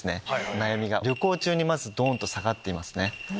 悩みが旅行中にまず下がっていますね。